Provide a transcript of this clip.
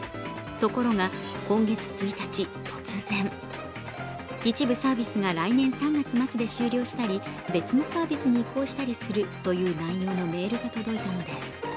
ところが今月１日、突然、一部サービスが来年３月末で終了したり、別のサービスに移行したりするという内容のメールが届いたのです。